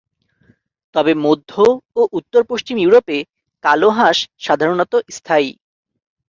তবে মধ্য ও উত্তর-পশ্চিম ইউরোপে কালো হাঁস সাধারণত স্থায়ী।